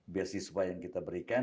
biasiswa yang kita berikan